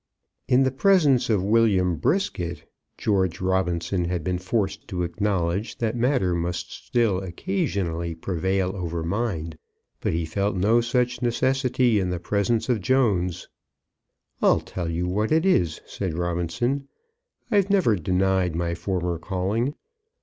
In the presence of William Brisket, George Robinson had been forced to acknowledge that matter must still occasionally prevail over mind; but he felt no such necessity in the presence of Jones. "I'll tell you what it is," said Robinson; "I've never denied my former calling.